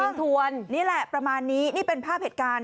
ทวนนี่แหละประมาณนี้นี่เป็นภาพเหตุการณ์